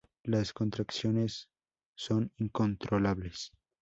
Las contracciones son incontrolables.